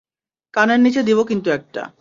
কানের নিচে দিব কিন্তু একটা।